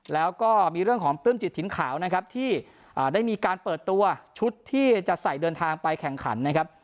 แล้วก็มีเรื่องของปลื้มจิตถิ่นขาวนะครับที่ได้มีการเปิดตัวชุดที่จะใส่เดินทางไปแข่งขันนะครับ